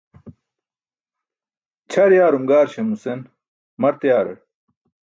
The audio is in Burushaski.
Ćʰar yaarum gaarsam nusen mart yaarar.